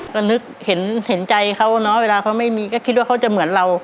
ก็นึกเห็นใจเขาเนอะเวลาเขาไม่มีก็คิดว่าเขาจะเหมือนเรา